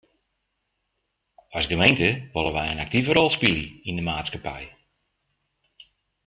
As gemeente wolle wy in aktive rol spylje yn de maatskippij.